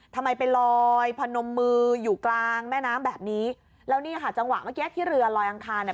ทำไมไปลอยพนมมืออยู่กลางแม่น้ำแบบนี้แล้วนี่ค่ะจังหวะเมื่อกี้ที่เรือลอยอังคารเนี่ย